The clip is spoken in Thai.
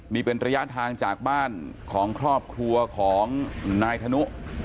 นี่เป็นระยะทางจากบ้านของครอบครัวของนายธนุ